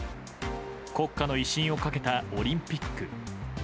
国家の威信をかけたオリンピック。